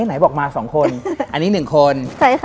ไหนบอกมาสองคนอันนี้หนึ่งคนใช่ค่ะ